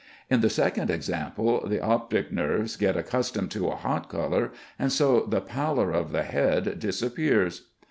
In the second example, the optic nerves get accustomed to a hot color, and so the pallor of the head disappears.